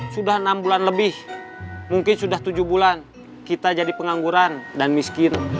sudah enam bulan lebih mungkin sudah tujuh bulan kita jadi pengangguran dan miskin